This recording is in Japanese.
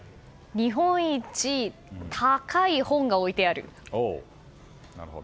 日本一高い本が置いてある？